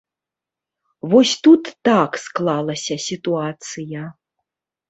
Вось тут так склалася сітуацыя.